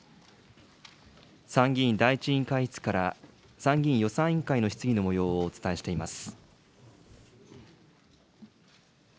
参議院第１委員会室から参議院予算委員会の質疑のもようをお伝えしています。